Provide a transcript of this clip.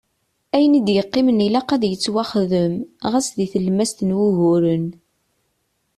Ayen i d-yeqqimen ilaq ad yettwaxdem, ɣas di tlemmast n wuguren.